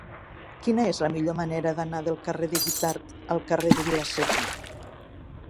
Quina és la millor manera d'anar del carrer de Guitard al carrer de Vila-seca?